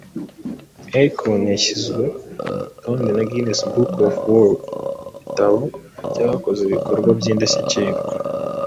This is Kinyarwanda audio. Akon yashyizwe ku rutonde na Guinness Book of World , igitabo cy’abakoze ibikorwa by’indashyikirwa